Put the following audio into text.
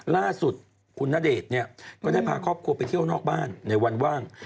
ล่าสุดคุณณเดชน์เนี่ยก็ได้พาครอบครัวไปเที่ยวนอกบ้านในวันว่าง